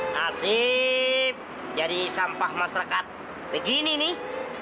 nasib jadi sampah masyarakat begini nih